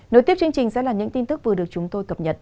nối tiếp chương trình sẽ là những tin tức vừa được chúng tôi cập nhật